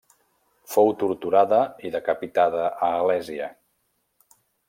Fou torturada i decapitada a Alèsia.